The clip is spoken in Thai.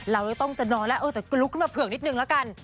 เราจะต้องจะนอนแล้วเออแต่ก็ลุกขึ้นมาเผือกนิดนึงละกัน